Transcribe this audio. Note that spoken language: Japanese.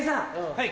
はい。